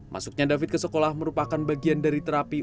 masuknya david ke sekolah merupakan bagian dari terapi